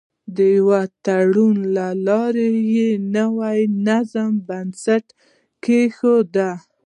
د یوه تړون له لارې یې د نوي نظام بنسټ کېښود.